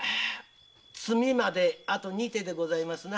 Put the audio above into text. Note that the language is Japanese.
詰みまであと二手でございますな。